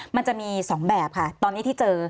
มันจะมี๒แบบค่ะตอนนี้ที่เจอ